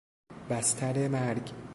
بستر مرگ